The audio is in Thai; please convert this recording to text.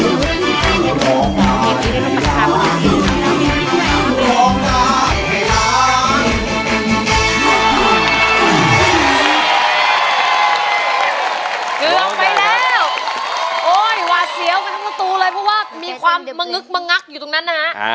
โอ้ยหวาเสียวไปทั้งตัวตัวเลยเพราะว่ามีความเมรึกเมรึกอยู่ตรงนั้นครับ